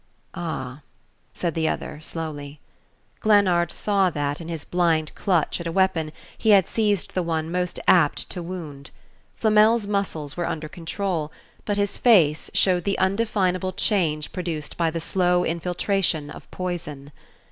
"Ah," said the other, slowly. Glennard saw that, in his blind clutch at a weapon, he had seized the one most apt to wound. Flamel's muscles were under control, but his face showed the undefinable change produced by the slow infiltration of poison.